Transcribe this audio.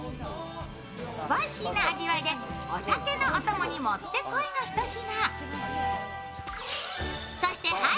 スパイシーな味わいでお酒のお供に持ってこいの一品。